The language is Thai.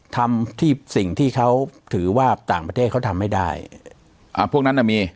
ทำที่สิ่งที่เขาถือว่าต่างประเทศเขาทำไม่ได้อ่าพวกนั้นน่ะมี